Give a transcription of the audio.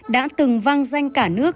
đã từng văng danh cả nước